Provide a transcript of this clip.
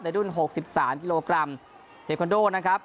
รุ่น๖๓กิโลกรัมเทคอนโดนะครับ